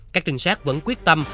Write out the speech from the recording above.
các trinh sát vẫn quyết tâm